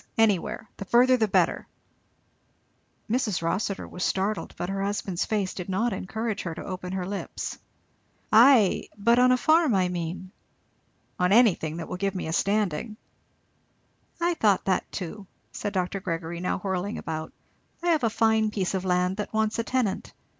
anywhere! the further the better." Mrs. Rossitur startled, but her husband's face did not encourage her to open her lips. "Ay but on a farm, I mean?" "On anything, that will give me a standing." "I thought that too," said Dr. Gregory, now whirling about. "I have a fine piece of land that wants a tenant.